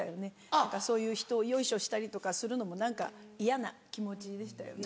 何かそういうひとをヨイショしたりとかするのも何か嫌な気持ちでしたよね